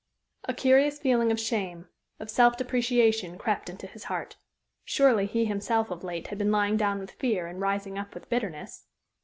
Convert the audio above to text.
A curious feeling of shame, of self depreciation crept into his heart. Surely he himself of late had been lying down with fear and rising up with bitterness?